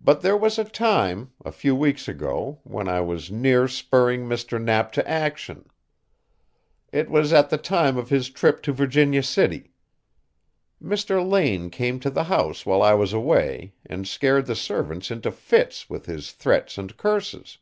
But there was a time, a few weeks ago, when I was near spurring Mr. Knapp to action. It was at the time of his trip to Virginia City. Mr. Lane came to the house while I was away and scared the servants into fits with his threats and curses.